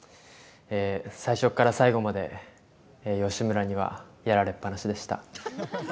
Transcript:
最初っから最後まで、義村にはやられっぱなしでした。